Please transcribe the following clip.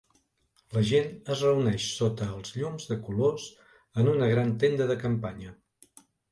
La gent es reuneix sota els llums de colors en una gran tenda de campanya.